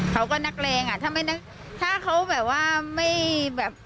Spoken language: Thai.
เขาก็นักเลงอ่ะถ้าไม่นักถ้าเขาแบบว่าไม่แบบ